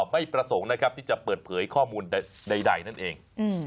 ไม่ประสงค์นะครับที่จะเปิดเผยข้อมูลใดนั่นเอง